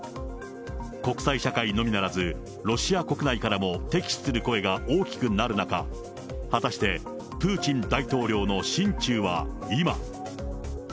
国際社会のみならず、ロシア国内からも敵視する声が大きくなる中、果たしてプーチン大統領の心中は今。